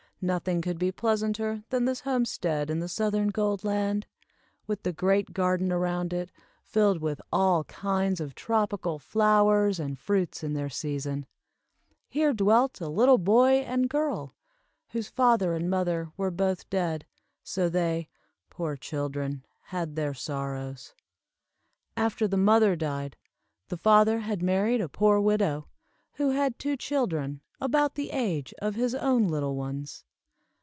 Nothing could be pleasanter than this homestead in the southern Gold Land, with the great garden around it, filled with all kinds of tropical flowers and fruits in their season. Here dwelt a little boy and girl, whose father and mother were both dead, so they, poor children, had their sorrows. After the mother died, the father had married a poor widow, who had two children, about the age of his own little ones.